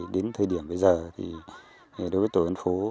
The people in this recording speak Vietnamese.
đến thời điểm bây giờ thì đối với tổ dân phố